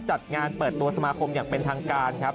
จัดงานเปิดตัวสมาคมอย่างเป็นทางการครับ